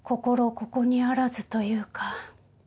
ここにあらずというか。